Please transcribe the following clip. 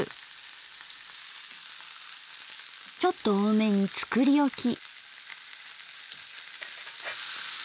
ちょっと多めに作り置き。